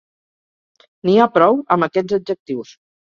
n'hi ha prou amb aquests adjectius